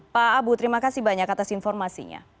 pak abu terima kasih banyak atas informasinya